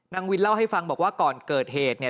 นางวินเล่าให้ฟังบอกว่าก่อนเกิดเหตุเนี่ย